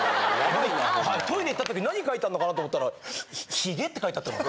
トイレ行った時何書いてあんのかなと思ったら「ヒゲ」って書いてあった。